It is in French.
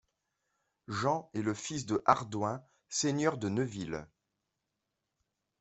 Jean est le fils de Hardouin, seigneur de Neuville.